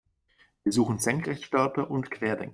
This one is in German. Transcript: Wir suchen Senkrechtstarter und Querdenker.